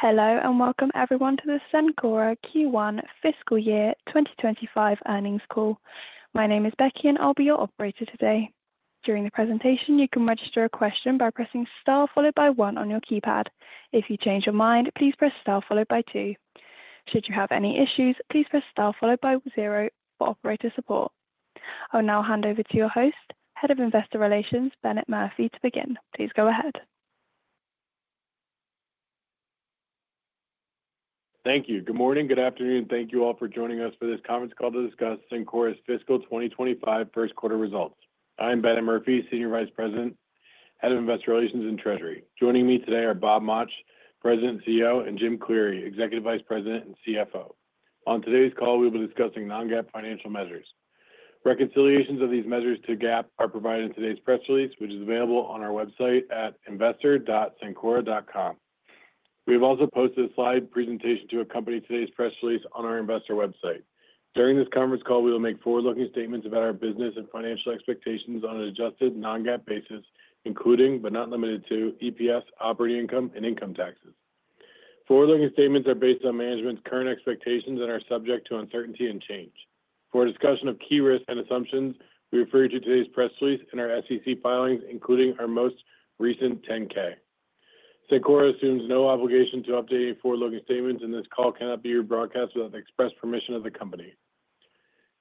Hello and welcome everyone to the Cencora Q1 Fiscal Year 2025 Earnings Call. My name is Becky and I'll be your operator today. During the presentation, you can register a question by pressing star followed by one on your keypad. If you change your mind, please press star followed by two. Should you have any issues, please press star followed by zero for operator support. I'll now hand over to your host, Head of Investor Relations, Bennett Murphy, to begin. Please go ahead. Thank you. Good morning, good afternoon, and thank you all for joining us for this conference call to discuss Cencora's Fiscal 2025 First Quarter Results. I am Bennett Murphy, Senior Vice President, Head of Investor Relations and Treasury. Joining me today are Bob Mauch, President and CEO, and Jim Cleary, Executive Vice President and CFO. On today's call, we will be discussing non-GAAP financial measures. Reconciliations of these measures to GAAP are provided in today's press release, which is available on our website at investor.cencora.com. We have also posted a slide presentation to accompany today's press release on our investor website. During this conference call, we will make forward-looking statements about our business and financial expectations on an adjusted non-GAAP basis, including, but not limited to, EPS, operating income, and income taxes. Forward-looking statements are based on management's current expectations and are subject to uncertainty and change. For discussion of key risks and assumptions, we refer you to today's press release and our SEC filings, including our most recent 10-K. Cencora assumes no obligation to update any forward-looking statements, and this call cannot be rebroadcast without the express permission of the company.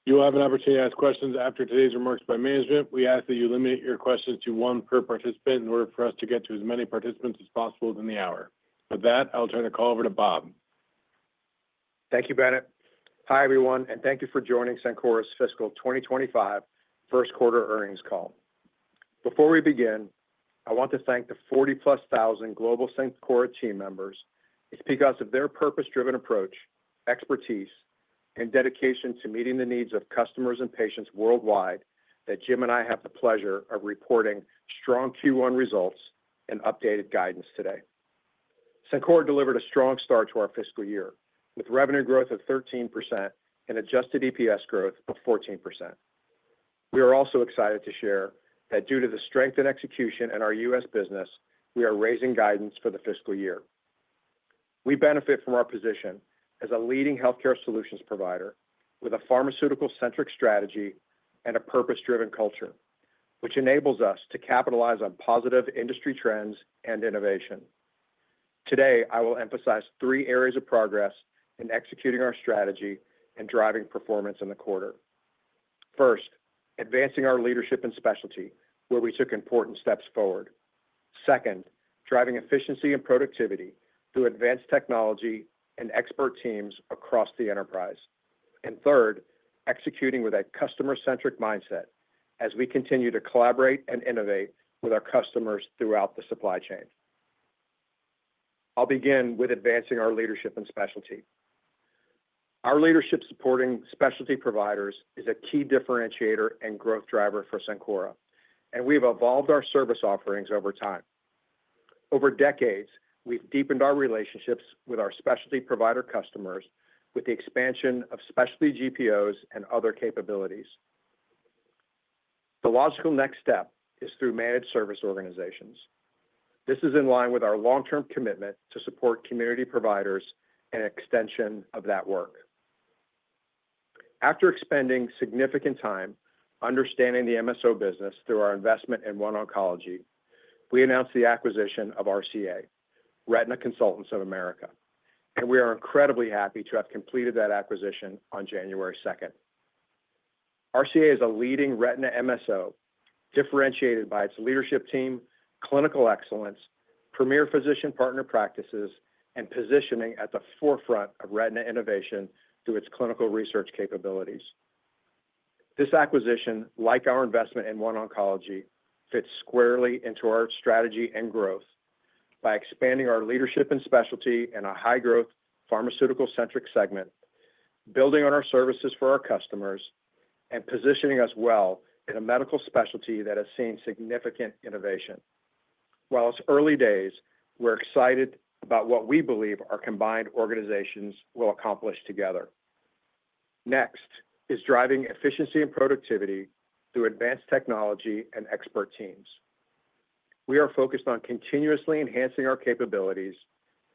You will have an opportunity to ask questions after today's remarks by management. We ask that you limit your questions to one per participant in order for us to get to as many participants as possible in the hour. With that, I'll turn the call over to Bob. Thank you, Bennett. Hi everyone, and thank you for joining Cencora's fiscal 2025 first quarter earnings call. Before we begin, I want to thank the 40,000-plus global Cencora team members who speak to us of their purpose-driven approach, expertise, and dedication to meeting the needs of customers and patients worldwide. That Jim and I have the pleasure of reporting strong Q1 results and updated guidance today. Cencora delivered a strong start to our fiscal year with revenue growth of 13% and adjusted EPS growth of 14%. We are also excited to share that due to the strength in execution in our U.S. business, we are raising guidance for the fiscal year. We benefit from our position as a leading healthcare solutions provider with a pharmaceutical-centric strategy and a purpose-driven culture, which enables us to capitalize on positive industry trends and innovation. Today, I will emphasize three areas of progress in executing our strategy and driving performance in the quarter. First, advancing our leadership in specialty, where we took important steps forward. Second, driving efficiency and productivity through advanced technology and expert teams across the enterprise, and third, executing with a customer-centric mindset as we continue to collaborate and innovate with our customers throughout the supply chain. I'll begin with advancing our leadership in specialty. Our leadership supporting specialty providers is a key differentiator and growth driver for Cencora, and we have evolved our service offerings over time. Over decades, we've deepened our relationships with our specialty provider customers with the expansion of specialty GPOs and other capabilities. The logical next step is through managed service organizations. This is in line with our long-term commitment to support community providers and extension of that work. After expending significant time understanding the MSO business through our investment in OneOncology, we announced the acquisition of RCA, Retina Consultants of America, and we are incredibly happy to have completed that acquisition on January 2nd. RCA is a leading retina MSO differentiated by its leadership team, clinical excellence, premier physician partner practices, and positioning at the forefront of retina innovation through its clinical research capabilities. This acquisition, like our investment in OneOncology, fits squarely into our strategy and growth by expanding our leadership and specialty in a high-growth pharmaceutical-centric segment, building on our services for our customers, and positioning us well in a medical specialty that has seen significant innovation. While it's early days, we're excited about what we believe our combined organizations will accomplish together. Next is driving efficiency and productivity through advanced technology and expert teams. We are focused on continuously enhancing our capabilities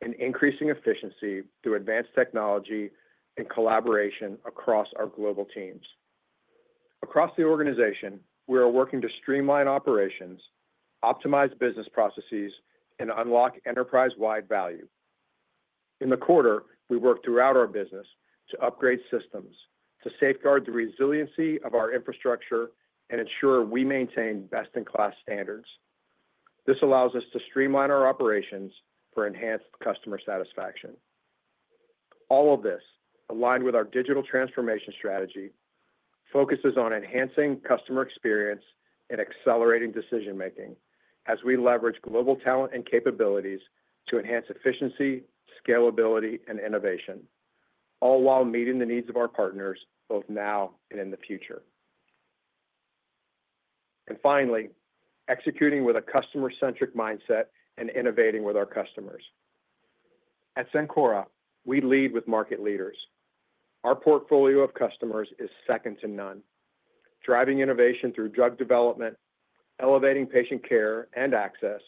and increasing efficiency through advanced technology and collaboration across our global teams. Across the organization, we are working to streamline operations, optimize business processes, and unlock enterprise-wide value. In the quarter, we work throughout our business to upgrade systems to safeguard the resiliency of our infrastructure and ensure we maintain best-in-class standards. This allows us to streamline our operations for enhanced customer satisfaction. All of this, aligned with our digital transformation strategy, focuses on enhancing customer experience and accelerating decision-making as we leverage global talent and capabilities to enhance efficiency, scalability, and innovation, all while meeting the needs of our partners both now and in the future. And finally, executing with a customer-centric mindset and innovating with our customers. At Cencora, we lead with market leaders. Our portfolio of customers is second to none, driving innovation through drug development, elevating patient care and access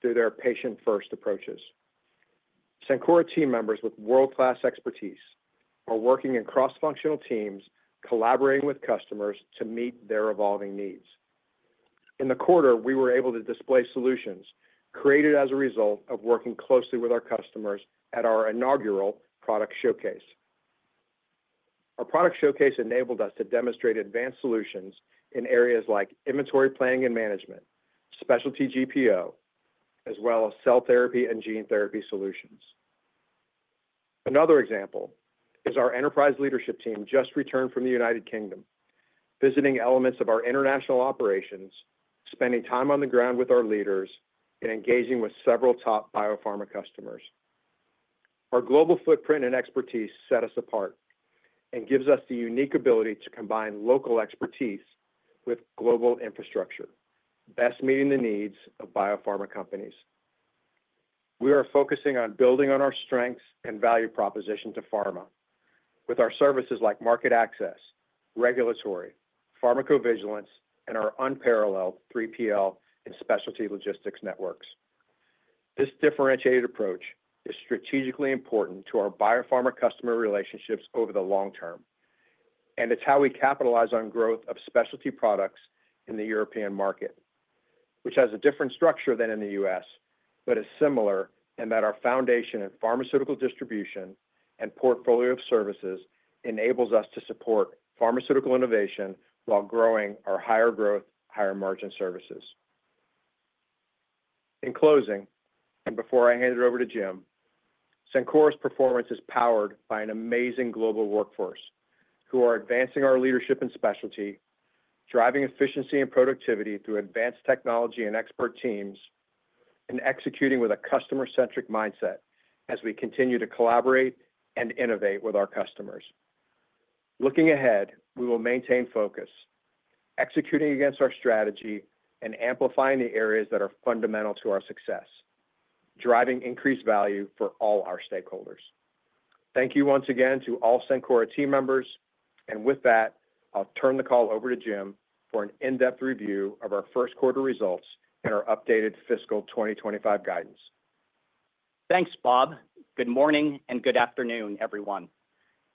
through their patient-first approaches. Cencora team members with world-class expertise are working in cross-functional teams, collaborating with customers to meet their evolving needs. In the quarter, we were able to display solutions created as a result of working closely with our customers at our inaugural product showcase. Our product showcase enabled us to demonstrate advanced solutions in areas like inventory planning and management, specialty GPO, as well as cell therapy and gene therapy solutions. Another example is our enterprise leadership team just returned from the United Kingdom, visiting elements of our international operations, spending time on the ground with our leaders, and engaging with several top biopharma customers. Our global footprint and expertise set us apart and gives us the unique ability to combine local expertise with global infrastructure, best meeting the needs of biopharma companies. We are focusing on building on our strengths and value proposition to pharma with our services like market access, regulatory, pharmacovigilance, and our unparalleled 3PL and specialty logistics networks. This differentiated approach is strategically important to our biopharma customer relationships over the long term, and it's how we capitalize on growth of specialty products in the European market, which has a different structure than in the U.S., but is similar in that our foundation in pharmaceutical distribution and portfolio of services enables us to support pharmaceutical innovation while growing our higher growth, higher margin services. In closing, and before I hand it over to Jim, Cencora's performance is powered by an amazing global workforce who are advancing our leadership and specialty, driving efficiency and productivity through advanced technology and expert teams, and executing with a customer-centric mindset as we continue to collaborate and innovate with our customers. Looking ahead, we will maintain focus, executing against our strategy and amplifying the areas that are fundamental to our success, driving increased value for all our stakeholders. Thank you once again to all Cencora team members, and with that, I'll turn the call over to Jim for an in-depth review of our first quarter results and our updated fiscal 2025 guidance. Thanks, Bob. Good morning and good afternoon, everyone.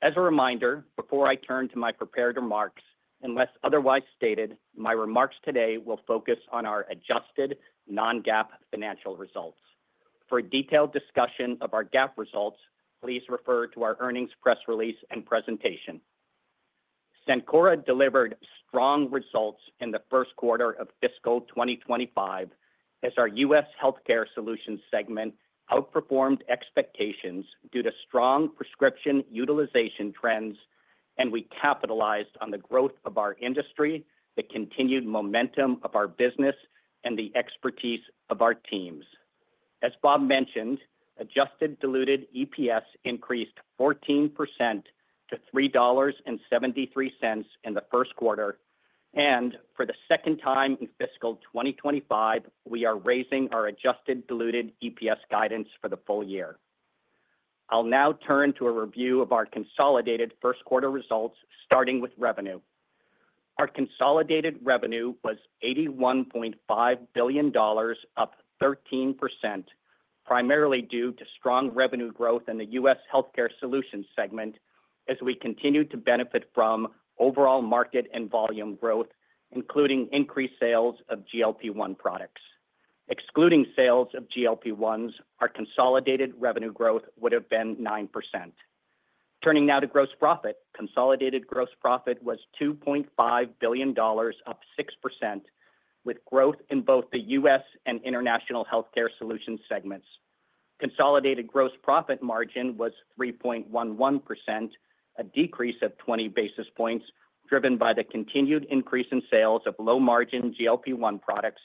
As a reminder, before I turn to my prepared remarks, unless otherwise stated, my remarks today will focus on our adjusted non-GAAP financial results. For a detailed discussion of our GAAP results, please refer to our earnings press release and presentation. Cencora delivered strong results in the first quarter of fiscal 2025 as our U.S. Healthcare Solutions segment outperformed expectations due to strong prescription utilization trends, and we capitalized on the growth of our industry, the continued momentum of our business, and the expertise of our teams. As Bob mentioned, adjusted diluted EPS increased 14% to $3.73 in the first quarter, and for the second time in fiscal 2025, we are raising our adjusted diluted EPS guidance for the full year. I'll now turn to a review of our consolidated first quarter results, starting with revenue. Our consolidated revenue was $81.5 billion, up 13%, primarily due to strong revenue growth in the U.S. Healthcare Solutions segment as we continue to benefit from overall market and volume growth, including increased sales of GLP-1 products. Excluding sales of GLP-1s, our consolidated revenue growth would have been 9%. Turning now to gross profit, consolidated gross profit was $2.5 billion, up 6%, with growth in both the U.S. and International Healthcare Solutions segments. Consolidated gross profit margin was 3.11%, a decrease of 20 basis points driven by the continued increase in sales of low-margin GLP-1 products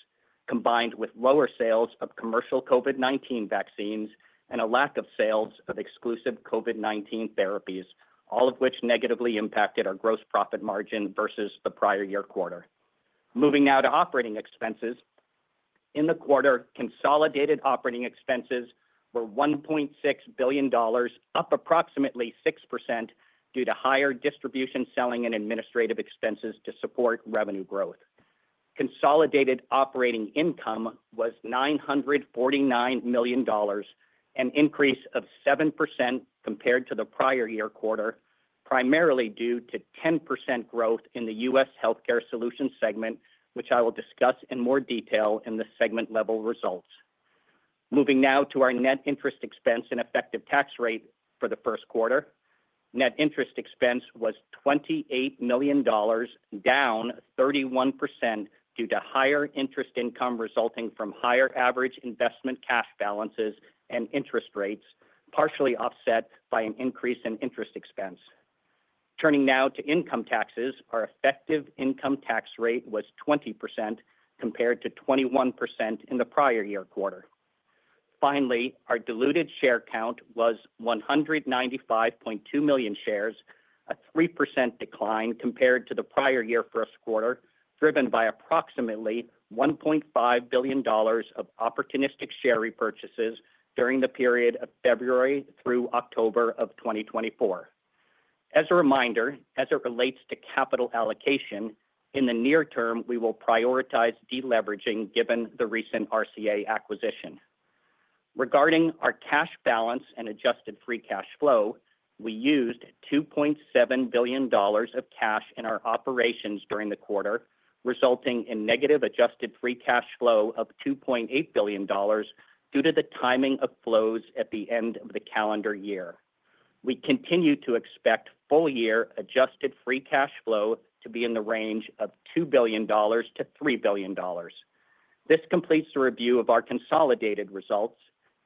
combined with lower sales of commercial COVID-19 vaccines and a lack of sales of exclusive COVID-19 therapies, all of which negatively impacted our gross profit margin versus the prior year quarter. Moving now to operating expenses. In the quarter, consolidated operating expenses were $1.6 billion, up approximately 6% due to higher distribution selling and administrative expenses to support revenue growth. Consolidated operating income was $949 million, an increase of 7% compared to the prior year quarter, primarily due to 10% growth in the U.S. Healthcare Solutions segment, which I will discuss in more detail in the segment-level results. Moving now to our net interest expense and effective tax rate for the first quarter. Net interest expense was $28 million, down 31% due to higher interest income resulting from higher average investment cash balances and interest rates, partially offset by an increase in interest expense. Turning now to income taxes, our effective income tax rate was 20% compared to 21% in the prior year quarter. Finally, our diluted share count was 195.2 million shares, a 3% decline compared to the prior year first quarter, driven by approximately $1.5 billion of opportunistic share repurchases during the period of February through October of 2024. As a reminder, as it relates to capital allocation, in the near term, we will prioritize deleveraging given the recent RCA acquisition. Regarding our cash balance and adjusted free cash flow, we used $2.7 billion of cash in our operations during the quarter, resulting in negative adjusted free cash flow of $2.8 billion due to the timing of flows at the end of the calendar year. We continue to expect full-year adjusted free cash flow to be in the range of $2 billion-$3 billion. This completes the review of our consolidated results.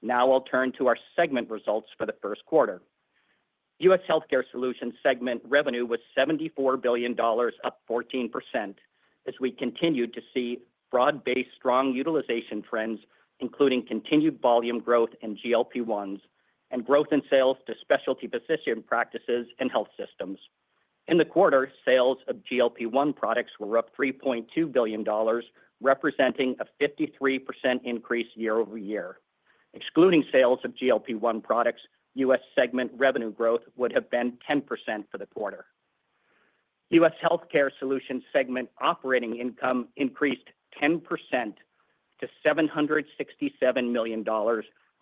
Now I'll turn to our segment results for the first quarter. U.S. Healthcare solutions segment revenue was $74 billion, up 14%, as we continued to see broad-based strong utilization trends, including continued volume growth in GLP-1s and growth in sales to specialty physician practices and health systems. In the quarter, sales of GLP-1 products were up $3.2 billion, representing a 53% increase year over year. Excluding sales of GLP-1 products, U.S. segment revenue growth would have been 10% for the quarter. U.S. Healthcare Solutions segment operating income increased 10% to $767 million,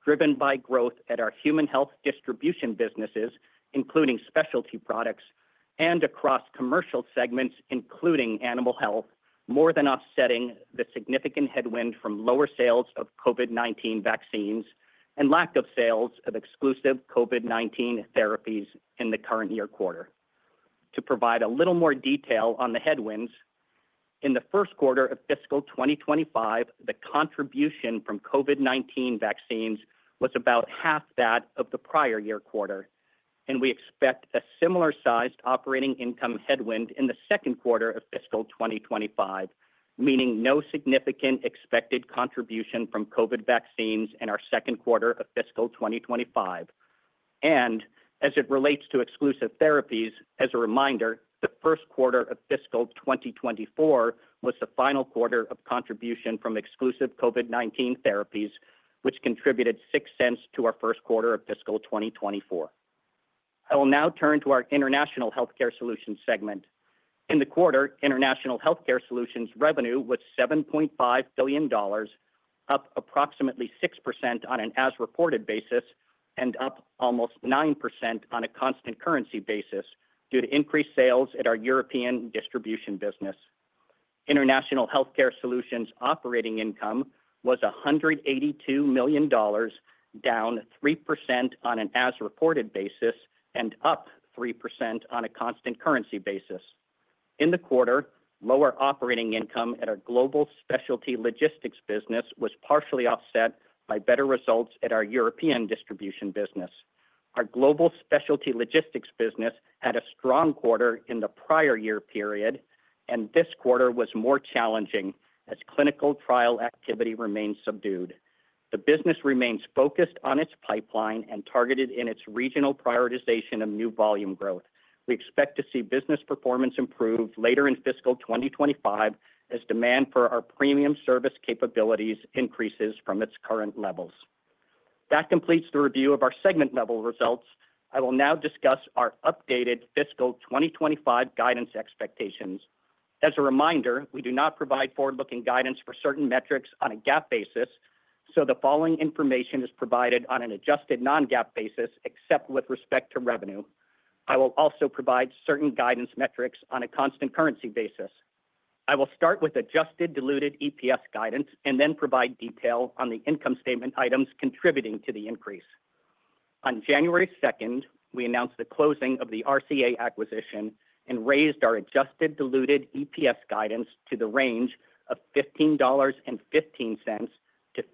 driven by growth at our human health distribution businesses, including specialty products, and across commercial segments, including animal health, more than offsetting the significant headwind from lower sales of COVID-19 vaccines and lack of sales of exclusive COVID-19 therapies in the current year quarter. To provide a little more detail on the headwinds, in the first quarter of fiscal 2025, the contribution from COVID-19 vaccines was about half that of the prior year quarter, and we expect a similar-sized operating income headwind in the second quarter of fiscal 2025, meaning no significant expected contribution from COVID vaccines in our second quarter of fiscal 2025. And as it relates to exclusive therapies, as a reminder, the first quarter of fiscal 2024 was the final quarter of contribution from exclusive COVID-19 therapies, which contributed 6% to our first quarter of fiscal 2024. I will now turn to our International Healthcare Solutions segment. In the quarter, International Healthcare Solutions revenue was $7.5 billion, up approximately 6% on an as-reported basis and up almost 9% on a constant currency basis due to increased sales at our European distribution business. International Healthcare Solutions operating income was $182 million, down 3% on an as-reported basis and up 3% on a constant currency basis. In the quarter, lower operating income at our global specialty logistics business was partially offset by better results at our European distribution business. Our global specialty logistics business had a strong quarter in the prior year period, and this quarter was more challenging as clinical trial activity remained subdued. The business remains focused on its pipeline and targeted in its regional prioritization of new volume growth. We expect to see business performance improve later in fiscal 2025 as demand for our premium service capabilities increases from its current levels. That completes the review of our segment-level results. I will now discuss our updated fiscal 2025 guidance expectations. As a reminder, we do not provide forward-looking guidance for certain metrics on a GAAP basis, so the following information is provided on an adjusted non-GAAP basis except with respect to revenue. I will also provide certain guidance metrics on a constant currency basis. I will start with adjusted diluted EPS guidance and then provide detail on the income statement items contributing to the increase. On January 2nd, we announced the closing of the RCA acquisition and raised our adjusted diluted EPS guidance to the range of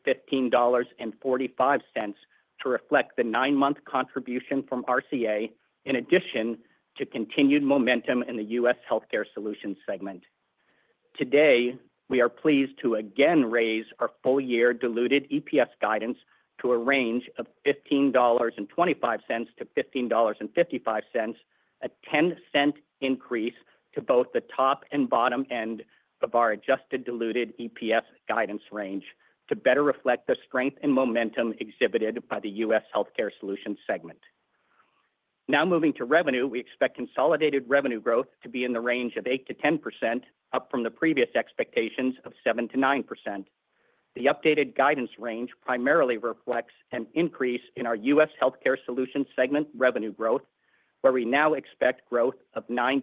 $15.15-$15.45 to reflect the nine-month contribution from RCA, in addition to continued momentum in the U.S. Healthcare Solutions segment. Today, we are pleased to again raise our full-year diluted EPS guidance to a range of $15.25-$15.55, a 10% increase to both the top and bottom end of our adjusted diluted EPS guidance range to better reflect the strength and momentum exhibited by the U.S. Healthcare Solutions segment. Now moving to revenue, we expect consolidated revenue growth to be in the range of 8%-10%, up from the previous expectations of 7%-9%. The updated guidance range primarily reflects an increase in our U.S. Healthcare Solutions segment revenue growth, where we now expect growth of 9%-11%,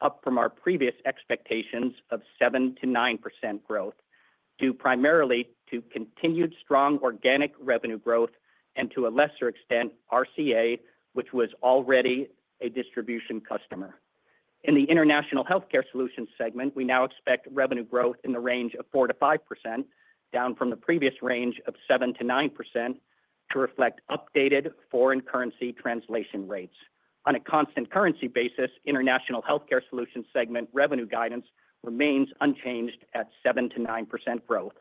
up from our previous expectations of 7%-9% growth, due primarily to continued strong organic revenue growth and to a lesser extent RCA, which was already a distribution customer. In the International Healthcare Solutions segment, we now expect revenue growth in the range of 4%-5%, down from the previous range of 7%-9%, to reflect updated foreign currency translation rates. On a constant currency basis, International Healthcare Solutions segment revenue guidance remains unchanged at 7%-9% growth.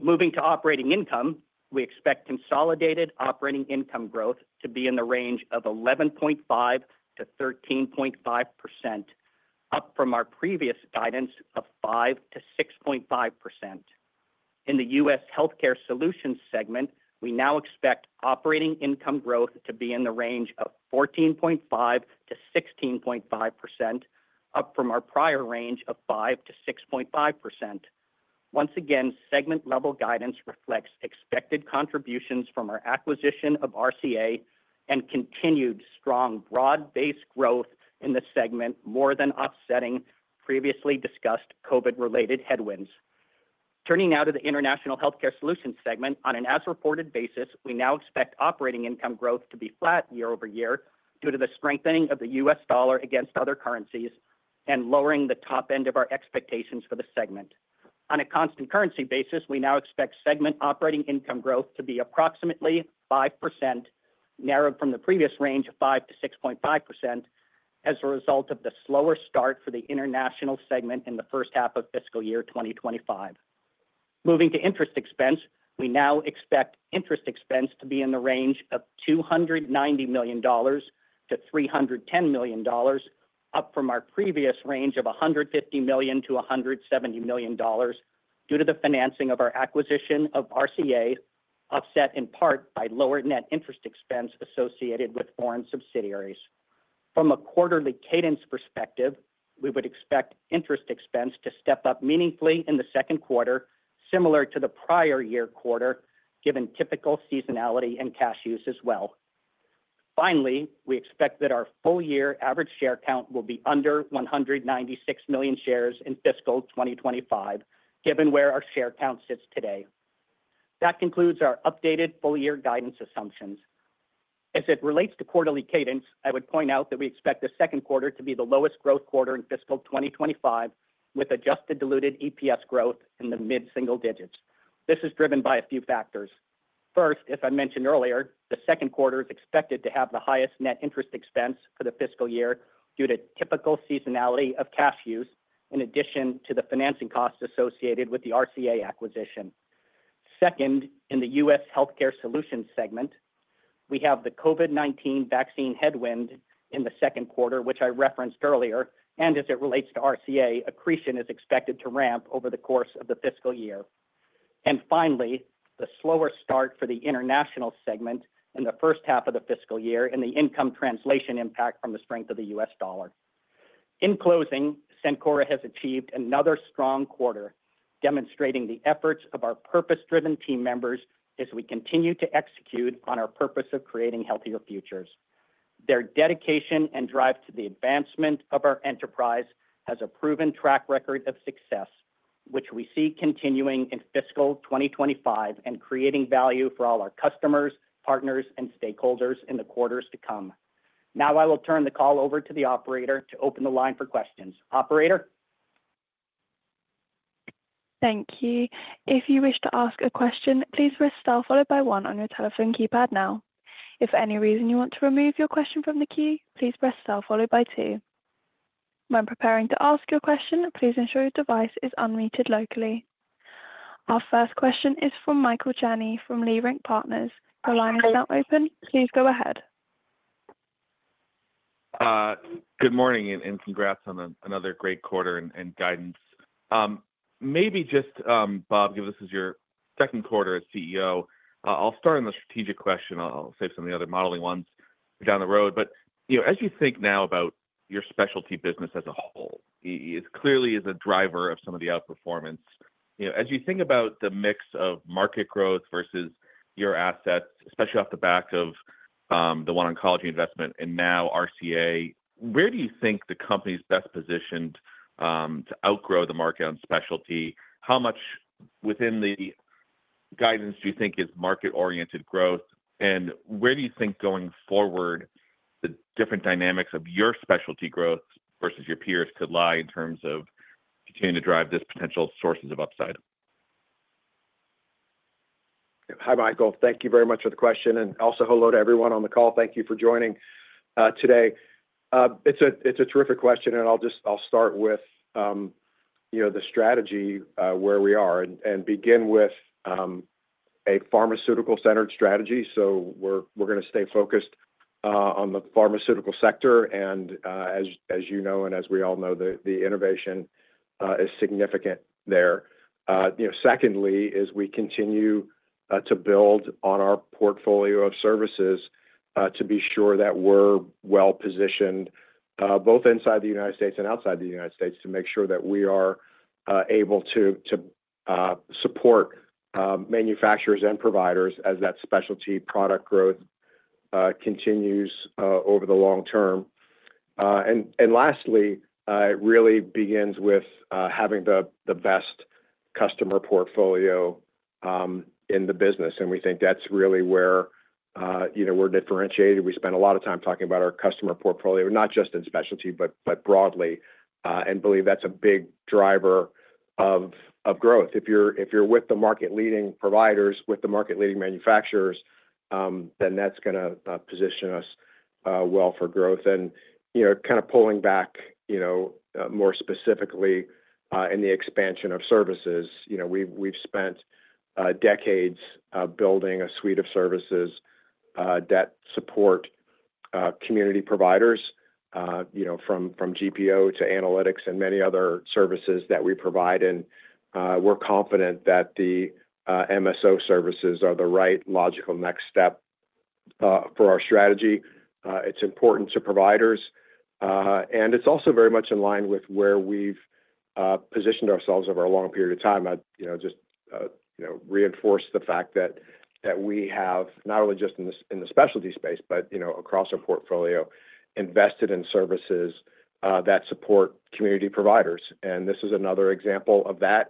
Moving to operating income, we expect consolidated operating income growth to be in the range of 11.5%-13.5%, up from our previous guidance of 5%-6.5%. In the U.S. Healthcare Solutions segment, we now expect operating income growth to be in the range of 14.5%-16.5%, up from our prior range of 5%-6.5%. Once again, segment-level guidance reflects expected contributions from our acquisition of RCA and continued strong broad-based growth in the segment, more than offsetting previously discussed COVID-related headwinds. Turning now to the International Healthcare Solutions segment, on an as-reported basis, we now expect operating income growth to be flat year over year due to the strengthening of the U.S. dollar against other currencies and lowering the top end of our expectations for the segment. On a constant currency basis, we now expect segment operating income growth to be approximately 5%, narrowed from the previous range of 5%-6.5%, as a result of the slower start for the international segment in the first half of fiscal year 2025. Moving to interest expense, we now expect interest expense to be in the range of $290 million-$310 million, up from our previous range of $150 million-$170 million due to the financing of our acquisition of RCA, offset in part by lower net interest expense associated with foreign subsidiaries. From a quarterly cadence perspective, we would expect interest expense to step up meaningfully in the second quarter, similar to the prior year quarter, given typical seasonality and cash use as well. Finally, we expect that our full-year average share count will be under 196 million shares in fiscal 2025, given where our share count sits today. That concludes our updated full-year guidance assumptions. As it relates to quarterly cadence, I would point out that we expect the second quarter to be the lowest growth quarter in fiscal 2025, with adjusted diluted EPS growth in the mid-single digits. This is driven by a few factors. First, as I mentioned earlier, the second quarter is expected to have the highest net interest expense for the fiscal year due to typical seasonality of cash use, in addition to the financing costs associated with the RCA acquisition. Second, in the U.S. Healthcare Solutions segment, we have the COVID-19 vaccine headwind in the second quarter, which I referenced earlier, and as it relates to RCA, accretion is expected to ramp over the course of the fiscal year. And finally, the slower start for the international segment in the first half of the fiscal year and the income translation impact from the strength of the U.S. dollar. In closing, Cencora has achieved another strong quarter, demonstrating the efforts of our purpose-driven team members as we continue to execute on our purpose of creating healthier futures. Their dedication and drive to the advancement of our enterprise has a proven track record of success, which we see continuing in fiscal 2025 and creating value for all our customers, partners, and stakeholders in the quarters to come. Now I will turn the call over to the operator to open the line for questions. Operator? Thank you. If you wish to ask a question, please press star followed by one on your telephone keypad now. If for any reason you want to remove your question from the queue, please press star followed by two. When preparing to ask your question, please ensure your device is unmuted locally. Our first question is from Michael Cherny from Leerink Partners. The line is now open. Please go ahead. Good morning and congrats on another great quarter and guidance. Maybe just, Bob, given this is your second quarter as CEO, I'll start on the strategic question. I'll save some of the other modeling ones down the road. But as you think now about your specialty business as a whole, it clearly is a driver of some of the outperformance. As you think about the mix of market growth versus your assets, especially off the back of the OneOncology investment and now RCA, where do you think the company is best positioned to outgrow the market on specialty? How much within the guidance do you think is market-oriented growth? And where do you think going forward the different dynamics of your specialty growth versus your peers could lie in terms of continuing to drive this potential sources of upside? Hi, Michael. Thank you very much for the question. And also hello to everyone on the call. Thank you for joining today. It's a terrific question, and I'll start with the strategy where we are and begin with a pharmaceutical-centered strategy. So we're going to stay focused on the pharmaceutical sector. And as you know and as we all know, the innovation is significant there. Secondly, as we continue to build on our portfolio of services to be sure that we're well-positioned both inside the United States and outside the United States to make sure that we are able to support manufacturers and providers as that specialty product growth continues over the long term. And lastly, it really begins with having the best customer portfolio in the business. And we think that's really where we're differentiated. We spend a lot of time talking about our customer portfolio, not just in specialty, but broadly, and believe that's a big driver of growth. If you're with the market-leading providers, with the market-leading manufacturers, then that's going to position us well for growth. And kind of pulling back more specifically in the expansion of services, we've spent decades building a suite of services that support community providers from GPO to analytics and many other services that we provide. And we're confident that the MSO services are the right logical next step for our strategy. It's important to providers, and it's also very much in line with where we've positioned ourselves over a long period of time. I just reinforce the fact that we have not only just in the specialty space, but across our portfolio, invested in services that support community providers. And this is another example of that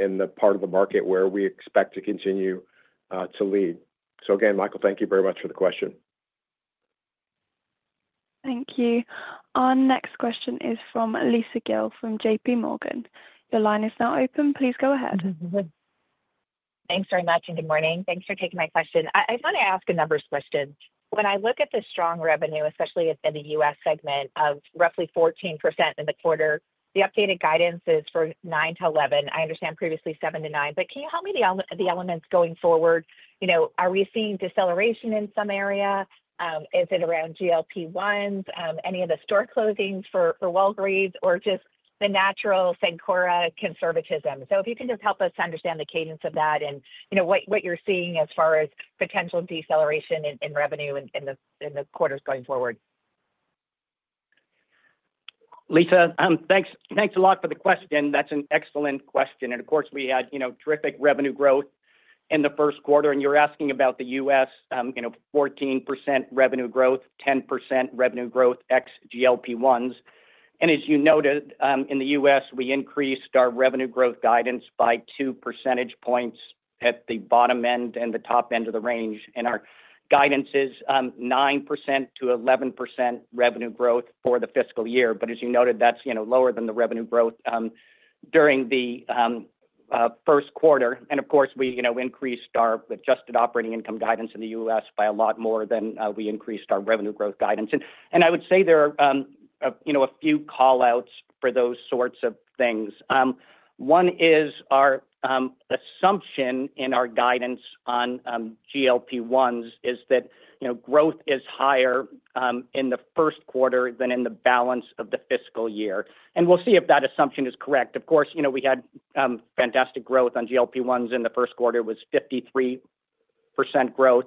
in the part of the market where we expect to continue to lead. So again, Michael, thank you very much for the question. Thank you. Our next question is from Lisa Gill from JPMorgan. Your line is now open. Please go ahead. Thanks very much. And good morning. Thanks for taking my question. I just want to ask a number of questions. When I look at the strong revenue, especially in the U.S. segment of roughly 14% in the quarter. The updated guidance is for 9%-11%. I understand previously 7%-9%. But can you help me the elements going forward? Are we seeing deceleration in some area? Is it around GLP-1s, any of the store closings for Walgreens, or just the natural Cencora conservatism? So if you can just help us understand the cadence of that and what you're seeing as far as potential deceleration in revenue in the quarters going forward. Lisa, thanks a lot for the question. That's an excellent question. And of course, we had terrific revenue growth in the first quarter. And you're asking about the U.S., 14% revenue growth, 10% revenue growth ex GLP-1s. And as you noted, in the U.S., we increased our revenue growth guidance by two percentage points at the bottom end and the top end of the range. Our guidance is 9%-11% revenue growth for the fiscal year. But as you noted, that's lower than the revenue growth during the first quarter. And of course, we increased our adjusted operating income guidance in the U.S. by a lot more than we increased our revenue growth guidance. And I would say there are a few callouts for those sorts of things. One is our assumption in our guidance on GLP-1s is that growth is higher in the first quarter than in the balance of the fiscal year. And we'll see if that assumption is correct. Of course, we had fantastic growth on GLP-1s in the first quarter, was 53% growth.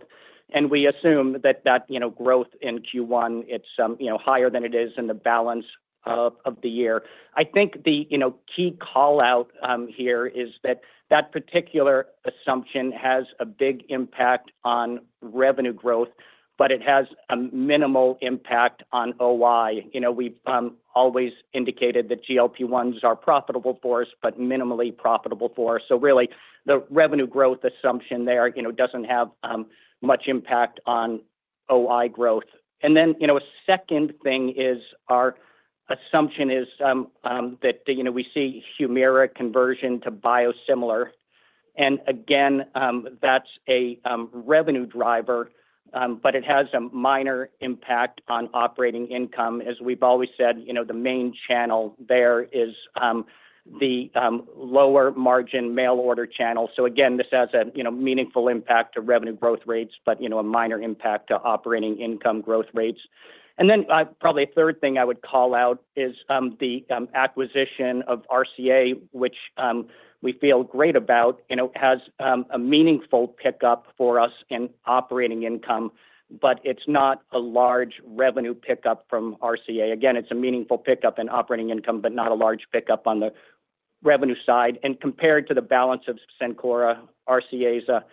And we assume that that growth in Q1, it's higher than it is in the balance of the year. I think the key callout here is that that particular assumption has a big impact on revenue growth, but it has a minimal impact on OI. We've always indicated that GLP-1s are profitable for us, but minimally profitable for us. So really, the revenue growth assumption there doesn't have much impact on OI growth. And then a second thing is our assumption is that we see Humira conversion to biosimilar. And again, that's a revenue driver, but it has a minor impact on operating income. As we've always said, the main channel there is the lower margin mail order channel. So again, this has a meaningful impact to revenue growth rates, but a minor impact to operating income growth rates. And then probably a third thing I would call out is the acquisition of RCA, which we feel great about. It has a meaningful pickup for us in operating income, but it's not a large revenue pickup from RCA. Again, it's a meaningful pickup in operating income, but not a large pickup on the revenue side. And compared to the balance of Cencora, RCA is a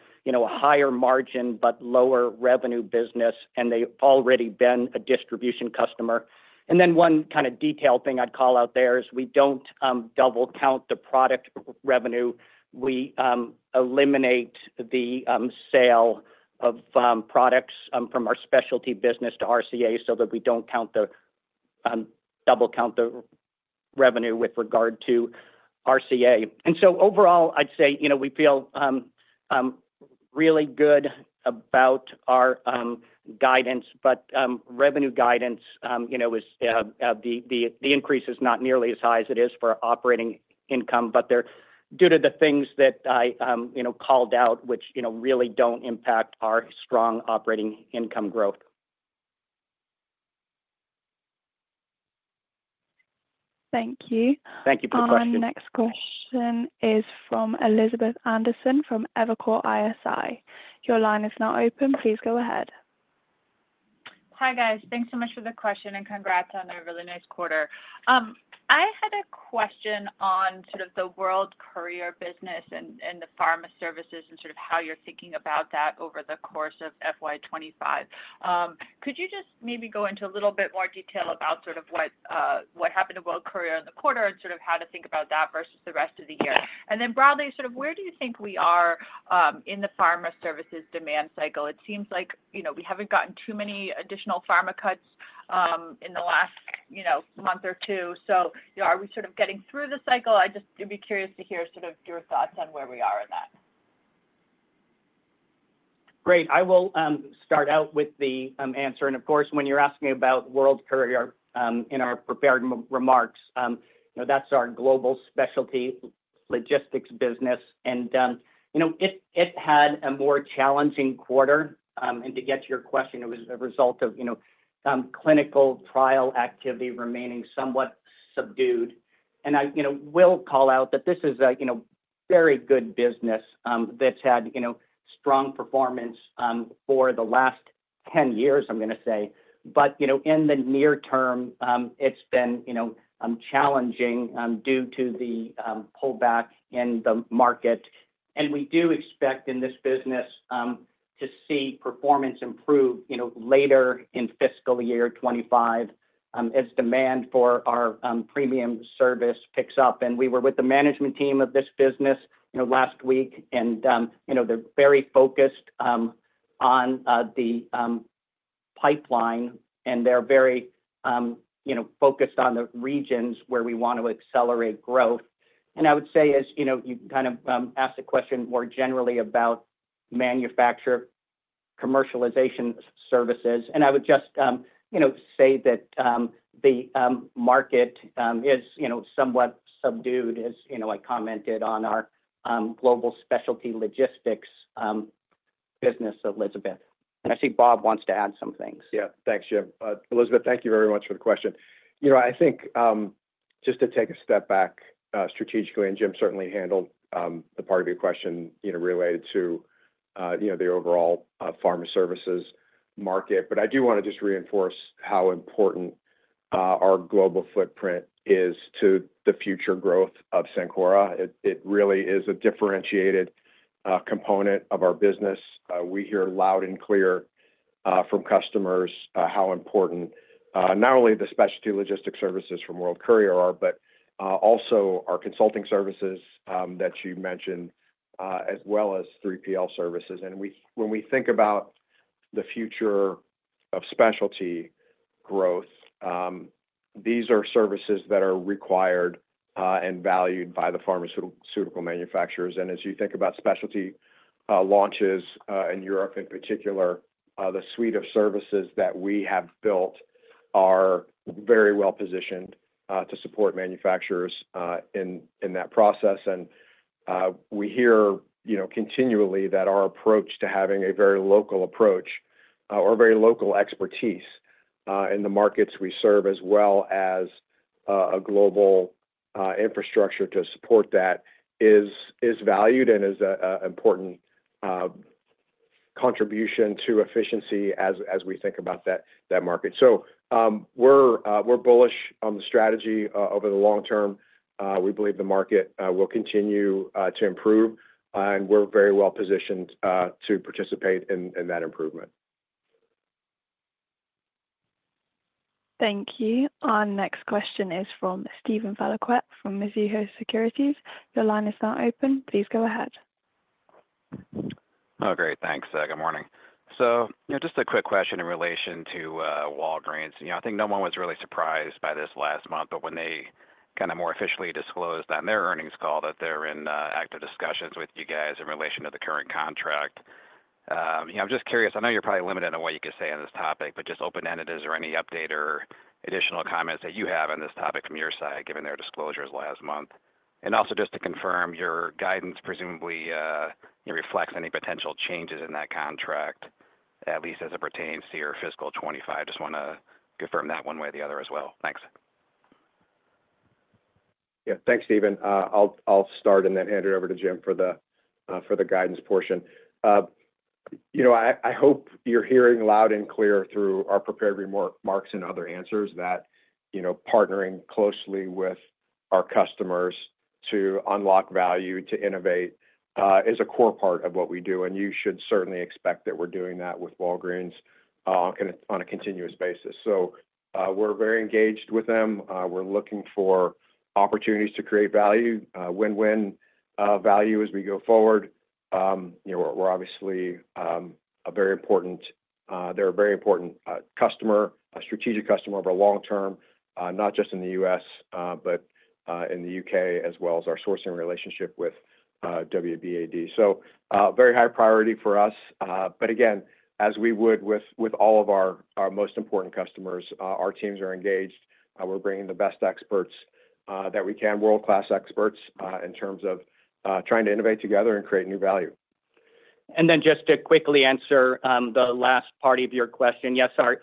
higher margin, but lower revenue business, and they've already been a distribution customer. And then one kind of detailed thing I'd call out there is we don't double count the product revenue. We eliminate the sale of products from our specialty business to RCA so that we don't double count the revenue with regard to RCA. And so overall, I'd say we feel really good about our guidance. But revenue guidance, the increase is not nearly as high as it is for operating income, but they're due to the things that I called out, which really don't impact our strong operating income growth. Thank you. Thank you for the question. Our next question is from Elizabeth Anderson from Evercore ISI. Your line is now open. Please go ahead. Hi, guys. Thanks so much for the question and congrats on a really nice quarter. I had a question on sort of the World Courier business and the pharma services and sort of how you're thinking about that over the course of FY 2025. Could you just maybe go into a little bit more detail about sort of what happened to World Courier in the quarter and sort of how to think about that versus the rest of the year? And then broadly, sort of where do you think we are in the pharma services demand cycle? It seems like we haven't gotten too many additional pharma cuts in the last month or two. So are we sort of getting through the cycle? I'd just be curious to hear sort of your thoughts on where we are in that. Great. I will start out with the answer, and of course, when you're asking about World Courier in our prepared remarks, that's our global specialty logistics business, and it had a more challenging quarter, and to get to your question, it was a result of clinical trial activity remaining somewhat subdued, and I will call out that this is a very good business that's had strong performance for the last 10 years, I'm going to say, but in the near term, it's been challenging due to the pullback in the market, and we do expect in this business to see performance improve later in fiscal year 2025 as demand for our premium service picks up. And we were with the management team of this business last week, and they're very focused on the pipeline, and they're very focused on the regions where we want to accelerate growth. And I would say, as you kind of asked the question more generally about manufacturer commercialization services, and I would just say that the market is somewhat subdued, as I commented on our global specialty logistics business, Elizabeth. And I see Bob wants to add some things. Yeah. Thanks, Jim. Elizabeth, thank you very much for the question. I think just to take a step back strategically, and Jim certainly handled the part of your question related to the overall pharma services market. But I do want to just reinforce how important our global footprint is to the future growth of Cencora. It really is a differentiated component of our business. We hear loud and clear from customers how important not only the specialty logistics services from World Courier are, but also our consulting services that you mentioned, as well as 3PL services, and when we think about the future of specialty growth, these are services that are required and valued by the pharmaceutical manufacturers, and as you think about specialty launches in Europe, in particular, the suite of services that we have built are very well-positioned to support manufacturers in that process, and we hear continually that our approach to having a very local approach or very local expertise in the markets we serve, as well as a global infrastructure to support that, is valued and is an important contribution to efficiency as we think about that market, so we're bullish on the strategy over the long term. We believe the market will continue to improve, and we're very well-positioned to participate in that improvement. Thank you. Our next question is from Steven Valiquette from Mizuho Securities. Your line is now open. Please go ahead. Oh, great. Thanks. Good morning. So just a quick question in relation to Walgreens. I think no one was really surprised by this last month, but when they kind of more officially disclosed on their earnings call that they're in active discussions with you guys in relation to the current contract. I'm just curious. I know you're probably limited on what you could say on this topic, but just open-ended, is there any update or additional comments that you have on this topic from your side, given their disclosures last month? And also just to confirm, your guidance presumably reflects any potential changes in that contract, at least as it pertains to your fiscal 2025. Just want to confirm that one way or the other as well. Thanks. Yeah. Thanks, Steven. I'll start and then hand it over to Jim for the guidance portion. I hope you're hearing loud and clear through our prepared remarks and other answers that partnering closely with our customers to unlock value, to innovate, is a core part of what we do. And you should certainly expect that we're doing that with Walgreens on a continuous basis. So we're very engaged with them. We're looking for opportunities to create value, win-win value as we go forward. We're obviously a very important—they're a very important customer, a strategic customer over a long term, not just in the U.S., but in the U.K., as well as our sourcing relationship with WBAD. So very high priority for us. But again, as we would with all of our most important customers, our teams are engaged. We're bringing the best experts that we can, world-class experts, in terms of trying to innovate together and create new value. And then just to quickly answer the last part of your question, yes, our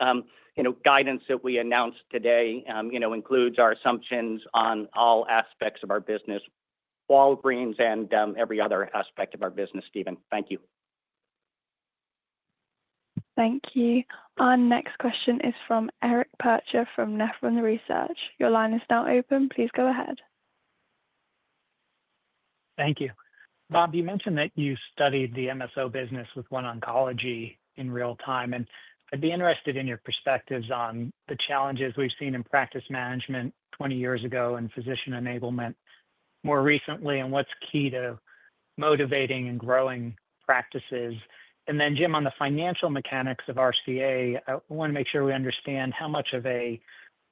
guidance that we announced today includes our assumptions on all aspects of our business, Walgreens, and every other aspect of our business, Steven. Thank you. Thank you. Our next question is from Eric Percher from Nephron Research. Your line is now open. Please go ahead. Thank you. Bob, you mentioned that you studied the MSO business with OneOncology in real time. And I'd be interested in your perspectives on the challenges we've seen in practice management 20 years ago and physician enablement more recently, and what's key to motivating and growing practices. And then, Jim, on the financial mechanics of RCA, I want to make sure we understand how much of a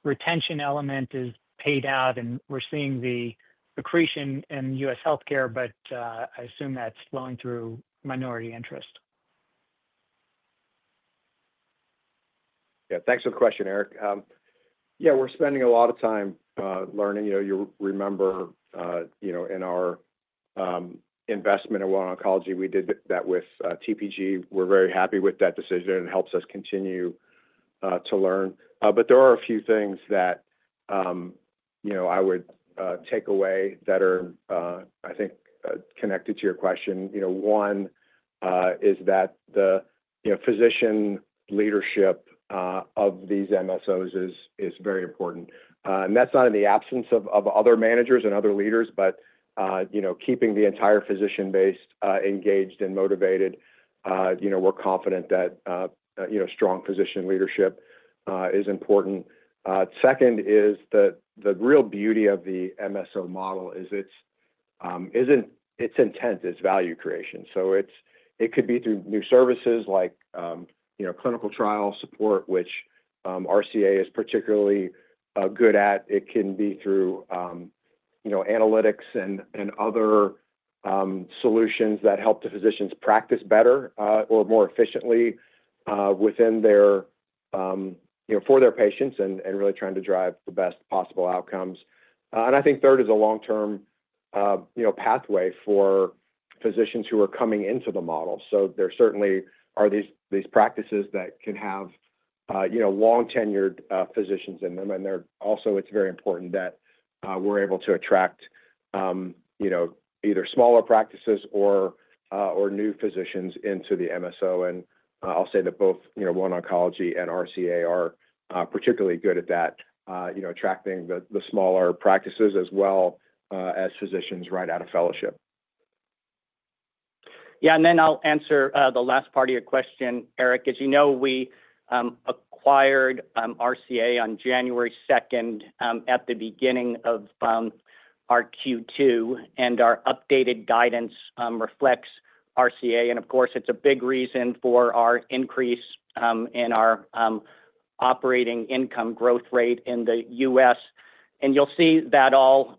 retention element is paid out. And we're seeing the accretion in U.S. healthcare, but I assume that's flowing through minority interest. Yeah. Thanks for the question, Eric. Yeah, we're spending a lot of time learning. You remember in our investment in OneOncology, we did that with TPG. We're very happy with that decision. It helps us continue to learn. But there are a few things that I would take away that are, I think, connected to your question. One is that the physician leadership of these MSOs is very important, and that's not in the absence of other managers and other leaders, but keeping the entire physician base engaged and motivated. We're confident that strong physician leadership is important. Second is the real beauty of the MSO model is its intent, its value creation, so it could be through new services like clinical trial support, which RCA is particularly good at. It can be through analytics and other solutions that help the physicians practice better or more efficiently within their for their patients and really trying to drive the best possible outcomes, and I think third is a long-term pathway for physicians who are coming into the model, so there certainly are these practices that can have long-tenured physicians in them. And also, it's very important that we're able to attract either smaller practices or new physicians into the MSO. And I'll say that both OneOncology and RCA are particularly good at that, attracting the smaller practices as well as physicians right out of fellowship. Yeah. And then I'll answer the last part of your question, Eric. As you know, we acquired RCA on January 2nd at the beginning of our Q2, and our updated guidance reflects RCA. And of course, it's a big reason for our increase in our operating income growth rate in the U.S. And you'll see that all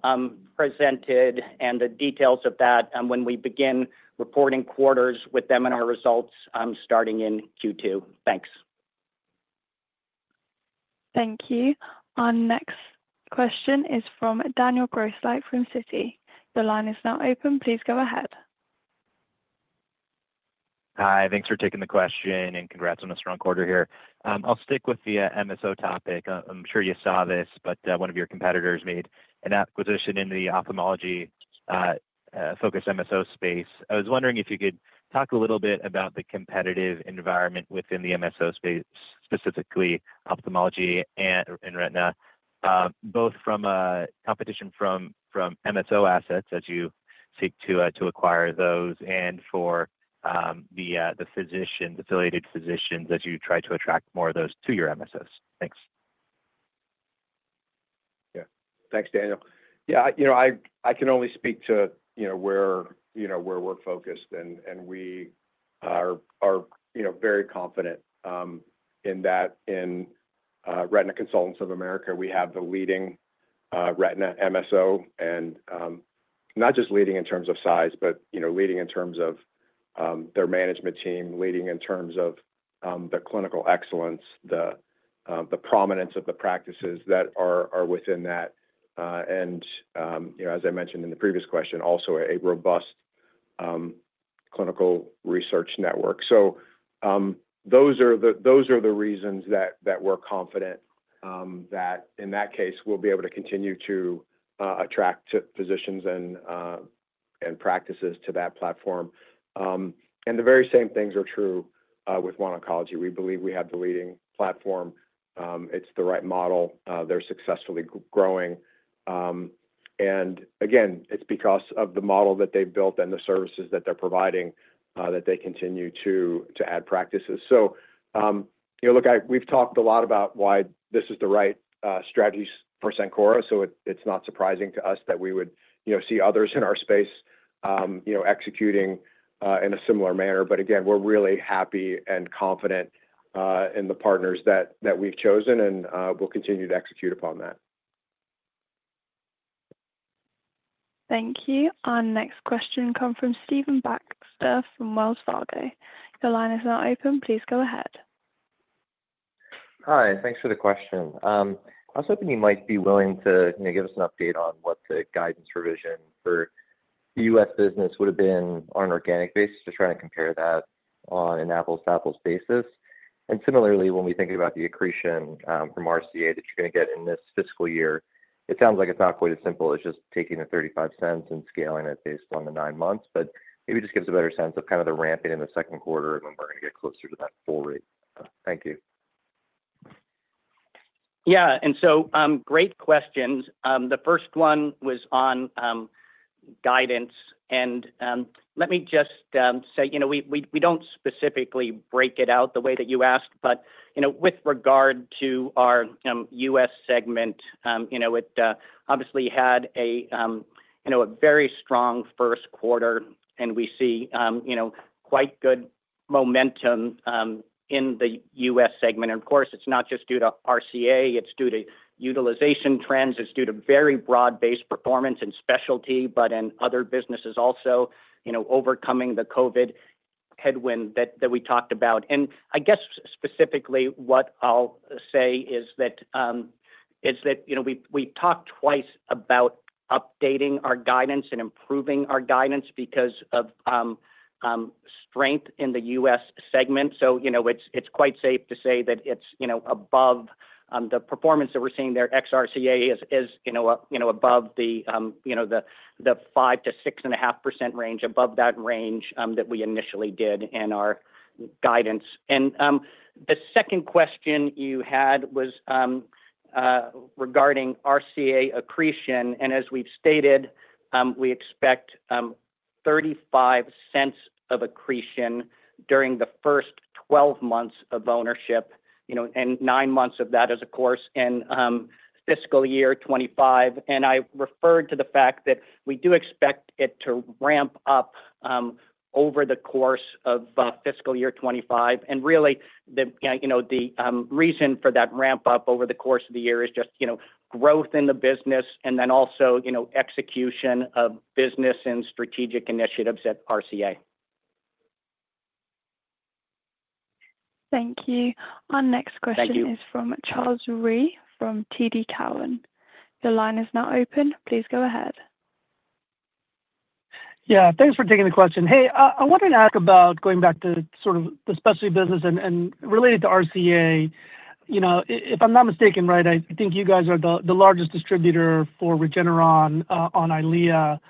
presented and the details of that when we begin reporting quarters with them and our results starting in Q2. Thanks. Thank you. Our next question is from Daniel Grosslight from Citi. The line is now open. Please go ahead. Hi. Thanks for taking the question and congrats on a strong quarter here. I'll stick with the MSO topic. I'm sure you saw this, but one of your competitors made an acquisition in the ophthalmology-focused MSO space. I was wondering if you could talk a little bit about the competitive environment within the MSO space, specifically ophthalmology and retina, both from competition from MSO assets as you seek to acquire those and for the affiliated physicians as you try to attract more of those to your MSOs. Thanks. Yeah. Thanks, Daniel. Yeah. I can only speak to where we're focused, and we are very confident in that in Retina Consultants of America, we have the leading retina MSO, and not just leading in terms of size, but leading in terms of their management team, leading in terms of the clinical excellence, the prominence of the practices that are within that. As I mentioned in the previous question, also a robust clinical research network. So those are the reasons that we're confident that, in that case, we'll be able to continue to attract physicians and practices to that platform. And the very same things are true with OneOncology. We believe we have the leading platform. It's the right model. They're successfully growing. And again, it's because of the model that they've built and the services that they're providing that they continue to add practices. So look, we've talked a lot about why this is the right strategy for Cencora. So it's not surprising to us that we would see others in our space executing in a similar manner. But again, we're really happy and confident in the partners that we've chosen, and we'll continue to execute upon that. Thank you. Our next question comes from Stephen Baxter from Wells Fargo. Your line is now open. Please go ahead. Hi. Thanks for the question. I was hoping you might be willing to give us an update on what the guidance provision for the U.S. business would have been on an organic basis to try and compare that on an apples-to-apples basis. And similarly, when we think about the accretion from RCA that you're going to get in this fiscal year, it sounds like it's not quite as simple as just taking the $0.35 and scaling it based on the nine months, but maybe it just gives a better sense of kind of the ramping in the second quarter when we're going to get closer to that full rate. Thank you. Yeah. And so great questions. The first one was on guidance. Let me just say, we don't specifically break it out the way that you asked, but with regard to our U.S. segment, it obviously had a very strong first quarter, and we see quite good momentum in the U.S. segment. Of course, it's not just due to RCA. It's due to utilization trends. It's due to very broad-based performance and specialty, but in other businesses also, overcoming the COVID headwind that we talked about. I guess specifically, what I'll say is that we talked twice about updating our guidance and improving our guidance because of strength in the U.S. segment. It's quite safe to say that it's above the performance that we're seeing there. Ex-RCA is above the 5%-6.5% range, above that range that we initially did in our guidance. The second question you had was regarding RCA accretion. And as we've stated, we expect $0.35 of accretion during the first 12 months of ownership and nine months of that, of course, in fiscal year 2025. And I referred to the fact that we do expect it to ramp up over the course of fiscal year 2025. And really, the reason for that ramp-up over the course of the year is just growth in the business and then also execution of business and strategic initiatives at RCA. Thank you. Our next question is from Charles Rhyee from TD Cowen. Your line is now open. Please go ahead. Yeah. Thanks for taking the question. Hey, I wanted to ask about going back to sort of the specialty business and related to RCA. If I'm not mistaken, right, I think you guys are the largest distributor for Regeneron on EYLEA.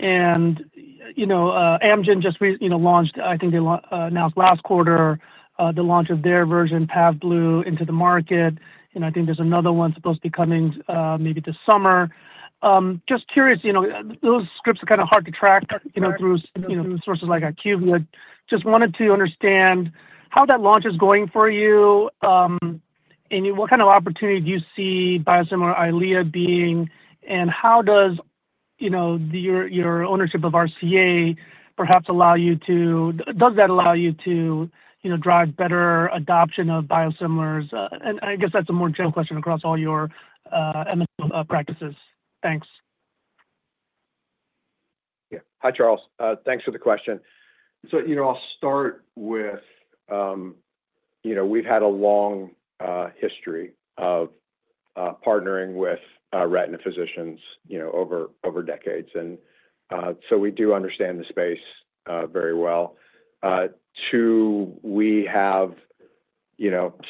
Amgen just launched, I think they announced last quarter, the launch of their version Pavblu into the market. I think there's another one supposed to be coming maybe this summer. Just curious, those scripts are kind of hard to track through sources like IQVIA. Just wanted to understand how that launch is going for you and what kind of opportunity do you see biosimilar EYLEA being, and how does your ownership of RCA perhaps allow you to, does that allow you to drive better adoption of biosimilars? I guess that's a more general question across all your MSO practices. Thanks. Yeah. Hi, Charles. Thanks for the question. I'll start with we've had a long history of partnering with retina physicians over decades. We do understand the space very well. Two, we have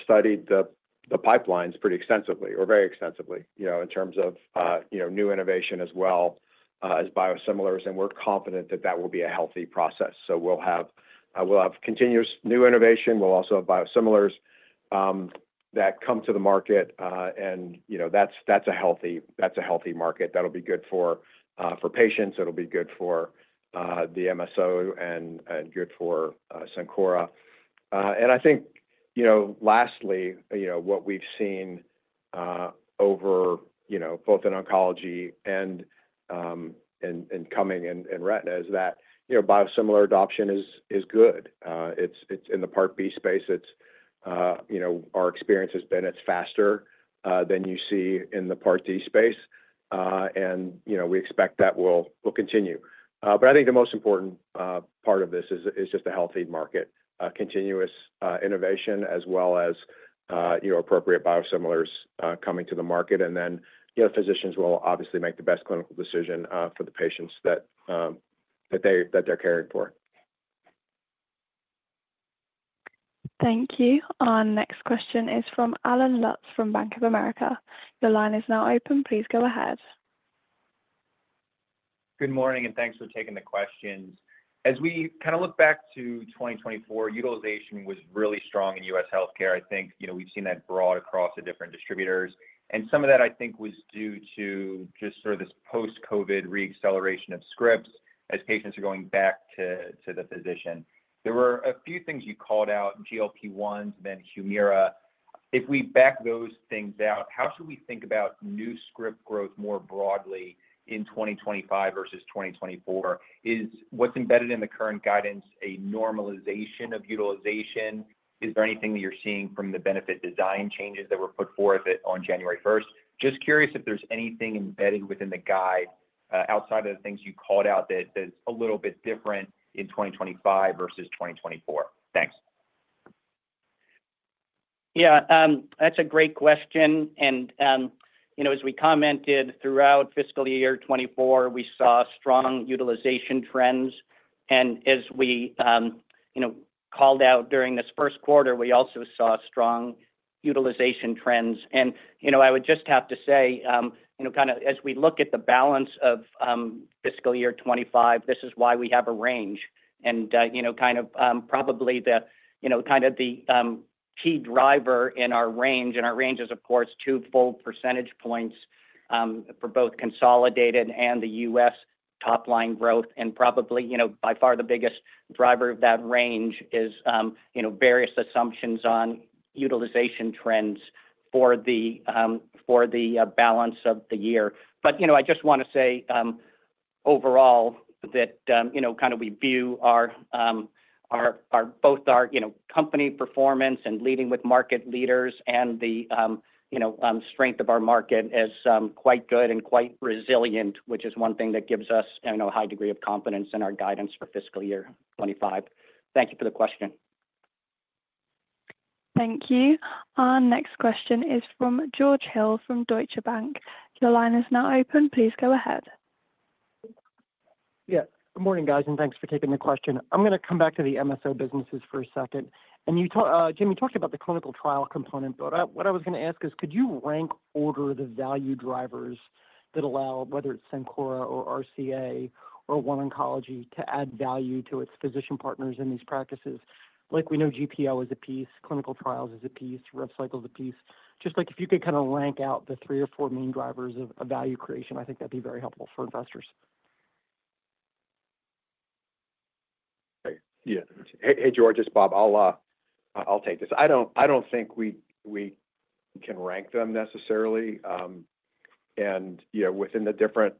studied the pipelines pretty extensively or very extensively in terms of new innovation as well as biosimilars. And we're confident that that will be a healthy process. So we'll have continuous new innovation. We'll also have biosimilars that come to the market. And that's a healthy market. That'll be good for patients. It'll be good for the MSO and good for Cencora. And I think lastly, what we've seen over both in oncology and coming in retina is that biosimilar adoption is good. It's in the Part B space. Our experience has been it's faster than you see in the Part D space. And we expect that will continue. But I think the most important part of this is just a healthy market, continuous innovation, as well as appropriate biosimilars coming to the market. And then physicians will obviously make the best clinical decision for the patients that they're caring for. Thank you. Our next question is from Allen Lutz from Bank of America. Your line is now open. Please go ahead. Good morning, and thanks for taking the questions. As we kind of look back to 2024, utilization was really strong in U.S. healthcare. I think we've seen that broad across the different distributors. And some of that, I think, was due to just sort of this post-COVID re-acceleration of scripts as patients are going back to the physician. There were a few things you called out, GLP-1s, then Humira. If we back those things out, how should we think about new script growth more broadly in 2025 versus 2024? Is what's embedded in the current guidance a normalization of utilization? Is there anything that you're seeing from the benefit design changes that were put forth on January 1st? Just curious if there's anything embedded within the guide outside of the things you called out that's a little bit different in 2025 versus 2024. Thanks. Yeah. That's a great question. And as we commented throughout fiscal year 2024, we saw strong utilization trends. And as we called out during this first quarter, we also saw strong utilization trends. And I would just have to say, kind of as we look at the balance of fiscal year 2025, this is why we have a range. And kind of probably kind of the key driver in our range, and our range is, of course, two full percentage points for both consolidated and the U.S. top-line growth. And probably by far the biggest driver of that range is various assumptions on utilization trends for the balance of the year. But I just want to say overall that kind of we view both our company performance and leading with market leaders and the strength of our market as quite good and quite resilient, which is one thing that gives us a high degree of confidence in our guidance for fiscal year 2025. Thank you for the question. Thank you. Our next question is from George Hill from Deutsche Bank. Your line is now open. Please go ahead. Yeah. Good morning, guys, and thanks for taking the question. I'm going to come back to the MSO businesses for a second. And Jim, you talked about the clinical trial component, but what I was going to ask is, could you rank order the value drivers that allow, whether it's Cencora or RCA or OneOncology, to add value to its physician partners in these practices? Like we know GPO is a piece, clinical trials is a piece, rev cycle is a piece. Just like if you could kind of rank out the three or four main drivers of value creation, I think that'd be very helpful for investors. Yeah. Hey, George, it's Bob. I'll take this. I don't think we can rank them necessarily. And within the different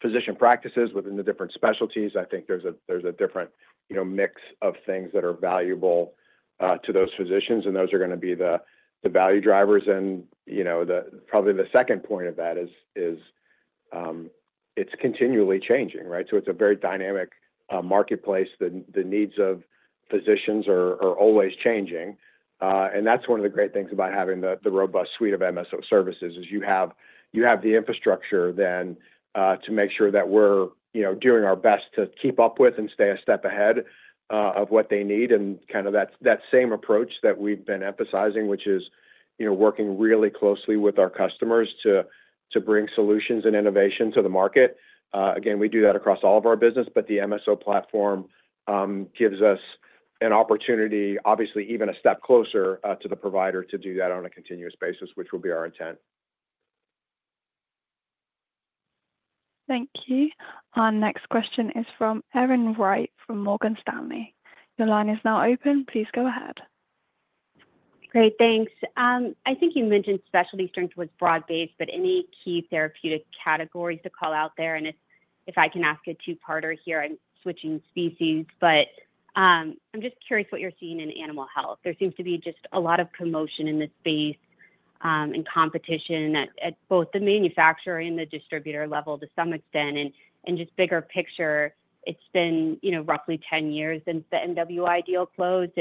physician practices, within the different specialties, I think there's a different mix of things that are valuable to those physicians, and those are going to be the value drivers. And probably the second point of that is it's continually changing, right? It's a very dynamic marketplace. The needs of physicians are always changing. And that's one of the great things about having the robust suite of MSO services is you have the infrastructure then to make sure that we're doing our best to keep up with and stay a step ahead of what they need. And kind of that same approach that we've been emphasizing, which is working really closely with our customers to bring solutions and innovation to the market. Again, we do that across all of our business, but the MSO platform gives us an opportunity, obviously, even a step closer to the provider to do that on a continuous basis, which will be our intent. Thank you. Our next question is from Erin Wright from Morgan Stanley. Your line is now open. Please go ahead. Great. Thanks. I think you mentioned specialty strength was broad-based, but any key therapeutic categories to call out there? And if I can ask a two-parter here, I'm switching species, but I'm just curious what you're seeing in animal health. There seems to be just a lot of commotion in this space and competition at both the manufacturer and the distributor level to some extent. And just bigger picture, it's been roughly 10 years since the MWI deal closed.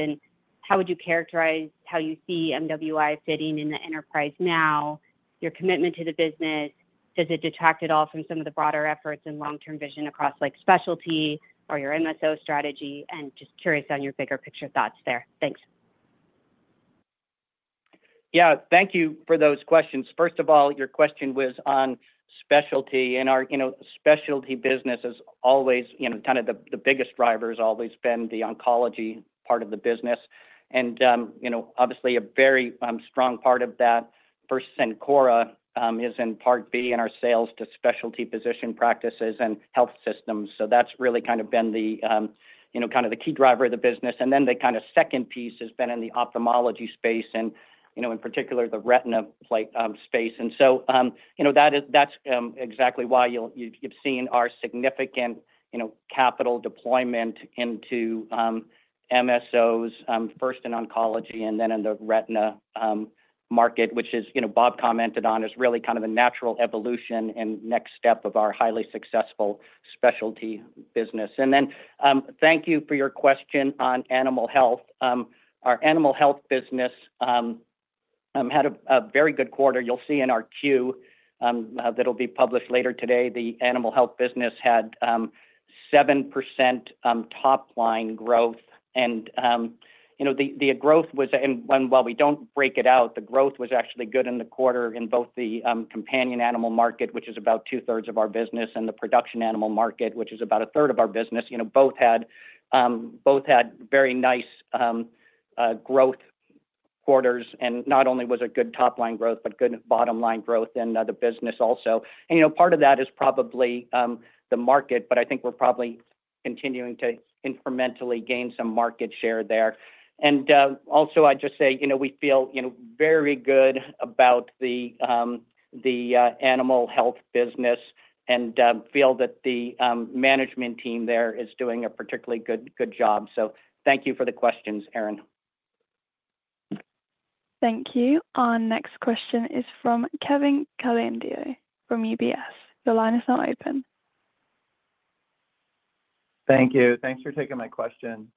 And how would you characterize how you see MWI fitting in the enterprise now, your commitment to the business? Does it detract at all from some of the broader efforts and long-term vision across specialty or your MSO strategy? And just curious on your bigger picture thoughts there. Thanks. Yeah. Thank you for those questions. First of all, your question was on specialty. And our specialty business is always kind of the biggest driver, has always been the oncology part of the business. And obviously, a very strong part of that for Cencora is in Part B in our sales to specialty physician practices and health systems. So that's really kind of been kind of the key driver of the business. And then the kind of second piece has been in the ophthalmology space and in particular the retina space. And so that's exactly why you've seen our significant capital deployment into MSOs, first in oncology and then in the retina market, which Bob commented on as really kind of a natural evolution and next step of our highly successful specialty business. And then thank you for your question on animal health. Our animal health business had a very good quarter. You'll see in our Q that'll be published later today, the animal health business had 7% top-line growth. And the growth was, and while we don't break it out, the growth was actually good in the quarter in both the companion animal market, which is about two-thirds of our business, and the production animal market, which is about a third of our business. Both had very nice growth quarters. And not only was it good top-line growth, but good bottom-line growth in the business also. And part of that is probably the market, but I think we're probably continuing to incrementally gain some market share there. And also, I'd just say we feel very good about the animal health business and feel that the management team there is doing a particularly good job. So thank you for the questions, Erin. Thank you. Our next question is from Kevin Caliendo from UBS. Your line is now open. Thank you. Thanks for taking my question.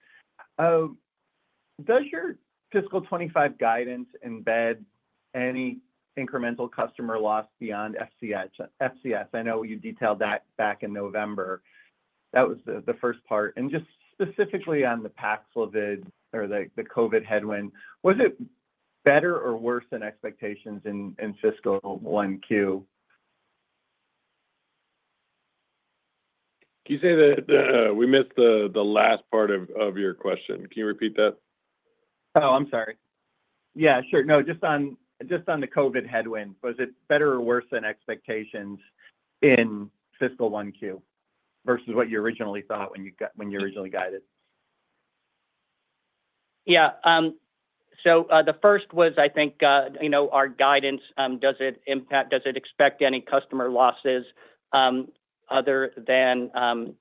Does your fiscal 2025 guidance embed any incremental customer loss beyond FCS? I know you detailed that back in November. That was the first part. And just specifically on the Paxlovid or the COVID headwind, was it better or worse than expectations in fiscal 1Q? Can you say that we missed the last part of your question? Can you repeat that? Oh, I'm sorry. Yeah, sure. No, just on the COVID headwind, was it better or worse than expectations in fiscal 1Q versus what you originally thought when you originally guided? Yeah. So the first was, I think, our guidance, does it expect any customer losses other than the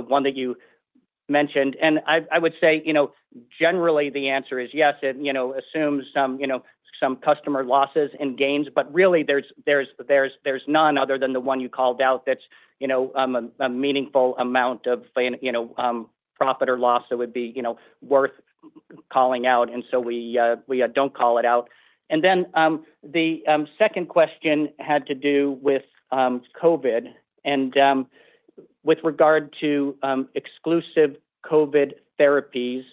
one that you mentioned? And I would say, generally, the answer is yes. It assumes some customer losses and gains, but really, there's none other than the one you called out that's a meaningful amount of profit or loss that would be worth calling out. And so we don't call it out. And then the second question had to do with COVID. And with regard to exclusive COVID therapies,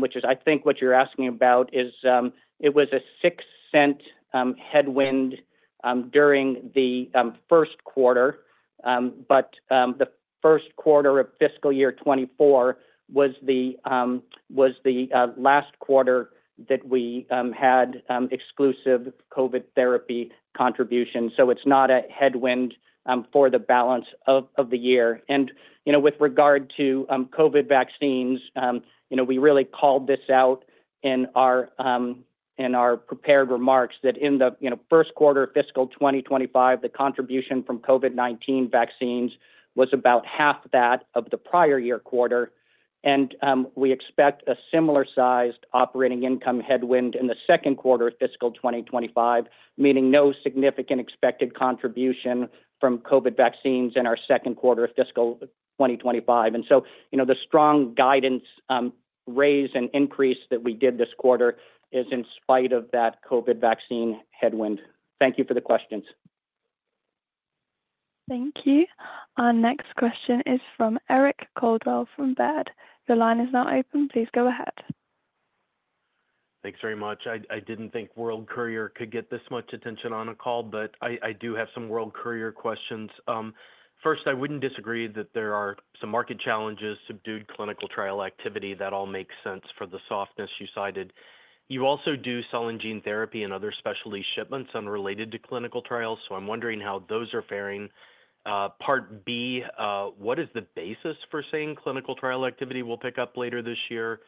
which is, I think, what you're asking about, it was a $0.06 headwind during the first quarter. But the first quarter of fiscal year 2024 was the last quarter that we had exclusive COVID therapy contributions. So it's not a headwind for the balance of the year. And with regard to COVID vaccines, we really called this out in our prepared remarks that in the first quarter of fiscal 2025, the contribution from COVID-19 vaccines was about half that of the prior year quarter. We expect a similar-sized operating income headwind in the second quarter of fiscal 2025, meaning no significant expected contribution from COVID vaccines in our second quarter of fiscal 2025. So the strong guidance raise and increase that we did this quarter is in spite of that COVID vaccine headwind. Thank you for the questions. Thank you. Our next question is from Eric Coldwell from Baird. Your line is now open. Please go ahead. Thanks very much. I didn't think World Courier could get this much attention on a call, but I do have some World Courier questions. First, I wouldn't disagree that there are some market challenges subdued clinical trial activity. That all makes sense for the softness you cited. You also do cell and gene therapy and other specialty shipments unrelated to clinical trials, so I'm wondering how those are faring. Part B, what is the basis for saying clinical trial activity we'll pick up later this year?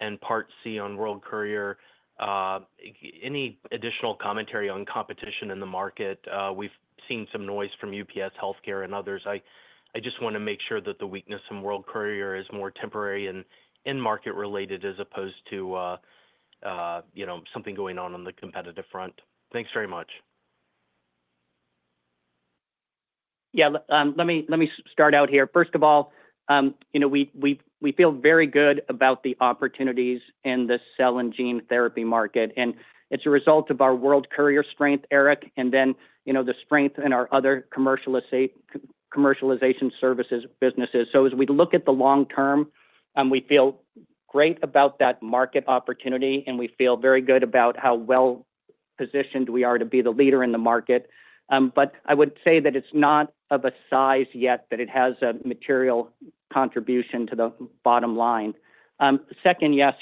And Part C, on World Courier, any additional commentary on competition in the market? We've seen some noise from UPS Healthcare and others. I just want to make sure that the weakness in World Courier is more temporary and market-related as opposed to something going on in the competitive front. Thanks very much. Yeah. Let me start out here. First of all, we feel very good about the opportunities in the cell and gene therapy market. And it's a result of our World Courier strength, Eric, and then the strength in our other commercialization services businesses. So as we look at the long term, we feel great about that market opportunity, and we feel very good about how well-positioned we are to be the leader in the market. But I would say that it's not of a size yet that it has a material contribution to the bottom line. Second, yes,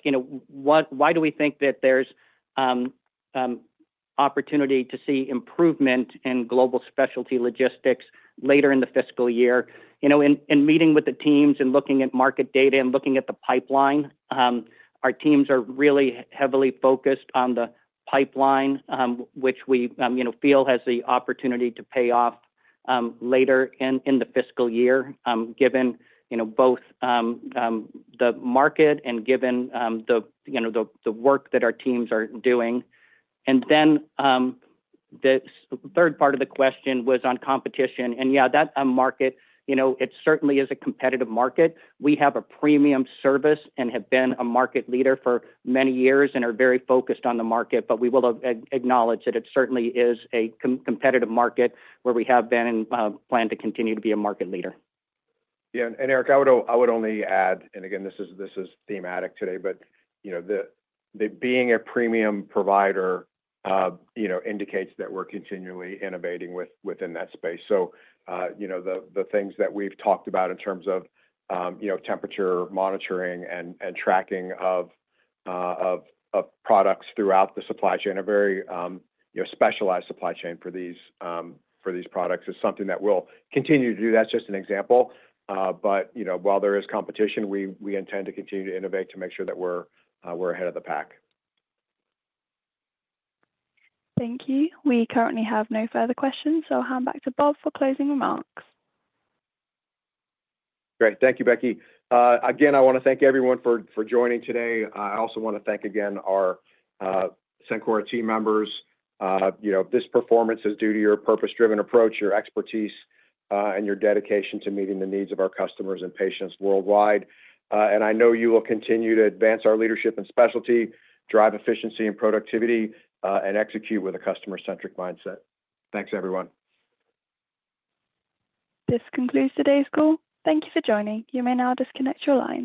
why do we think that there's opportunity to see improvement in global specialty logistics later in the fiscal year? In meeting with the teams and looking at market data and looking at the pipeline, our teams are really heavily focused on the pipeline, which we feel has the opportunity to pay off later in the fiscal year, given both the market and given the work that our teams are doing. And then the third part of the question was on competition. And yeah, that market, it certainly is a competitive market. We have a premium service and have been a market leader for many years and are very focused on the market. But we will acknowledge that it certainly is a competitive market where we have been and plan to continue to be a market leader. Yeah. And Eric, I would only add, and again, this is thematic today, but being a premium provider indicates that we're continually innovating within that space. So the things that we've talked about in terms of temperature monitoring and tracking of products throughout the supply chain and a very specialized supply chain for these products is something that we'll continue to do. That's just an example. But while there is competition, we intend to continue to innovate to make sure that we're ahead of the pack. Thank you. We currently have no further questions, so I'll hand back to Bob for closing remarks. Great. Thank you, Becky. Again, I want to thank everyone for joining today. I also want to thank again our Cencora team members. This performance is due to your purpose-driven approach, your expertise, and your dedication to meeting the needs of our customers and patients worldwide, and I know you will continue to advance our leadership and specialty, drive efficiency and productivity, and execute with a customer-centric mindset. Thanks, everyone. This concludes today's call. Thank you for joining. You may now disconnect your line.